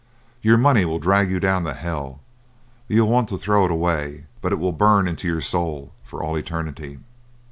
Your money will drag you down to hell; you'll want to throw it away, but it will burn into your soul for all eternity.'